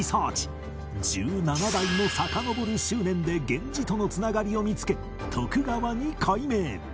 １７代もさかのぼる執念で源氏との繋がりを見つけ徳川に改名